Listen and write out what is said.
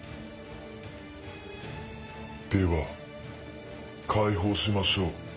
では解放しましょう。